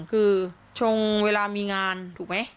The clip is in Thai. คือชงเวลามีงานถูกไหม